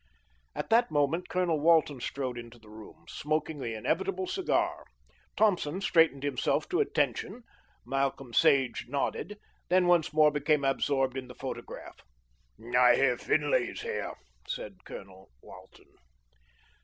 At that moment Colonel Walton strode into the room, smoking the inevitable cigar. Thompson straightened himself to attention, Malcolm Sage nodded, then once more became absorbed in the photograph. "I hear Finlay's here," said Colonel Walton.